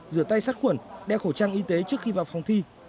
rửa tay sát khuẩn đeo khẩu trang y tế trước khi vào phòng thi